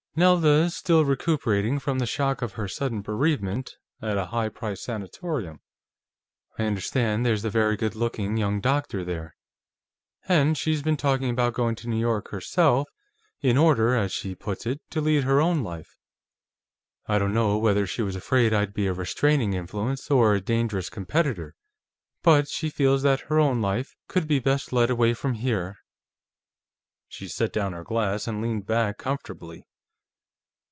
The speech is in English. Nelda is still recuperating from the shock of her sudden bereavement at a high priced sanatorium I understand there's a very good looking young doctor there. And she's been talking about going to New York herself, in order, as she puts it, to lead her own life. I don't know whether she was afraid I'd be a restraining influence, or a dangerous competitor, but she feels that her own life could be best led away from here." She set down her glass and leaned back comfortably.